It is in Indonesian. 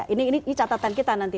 ini catatan kita nanti